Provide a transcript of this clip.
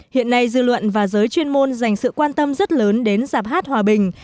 hiện nay dư luận và giới chuyên môn dành sự quan tâm rất lớn đến giạp hát hòa bình